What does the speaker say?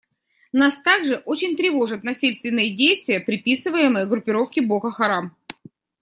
Нас также очень тревожат насильственные действия, приписываемые группировке «Боко Харам».